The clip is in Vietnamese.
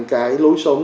cái lối sống